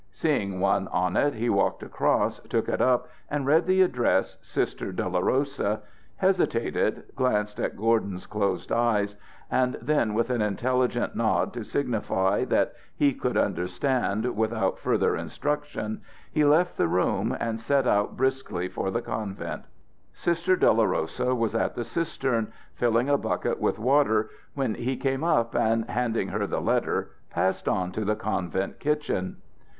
Seeing one on it, he walked across, took it up and read the address, "Sister Dolorosa," hesitated, glanced at Gordon's closed eyes, and then, with an intelligent nod to signify that he could understand without further instruction, he left the room and set out briskly for the convent. Sister Dolorosa was at the cistern filling a bucket with water when he came up and, handing her the letter, passed on to the convent kitchen.